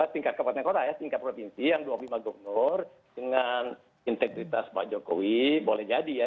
tingkat kabupaten kota ya tingkat provinsi yang dua puluh lima gubernur dengan integritas pak jokowi boleh jadi ya